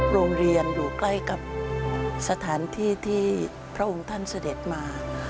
โรงเรียนอยู่ใกล้กับสถานที่ที่พระองค์ท่านเสด็จมา